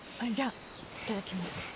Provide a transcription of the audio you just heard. いただきます。